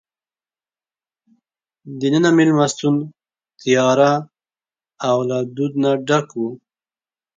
دننه مېلمستون تیاره او له دود نه ډک وو.